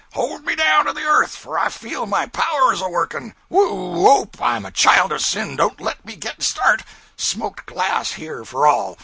Hold me down to the earth, for I feel my powers a working! whoo oop! I'm a child of sin, don't let me get a start! Smoked glass, here, for all!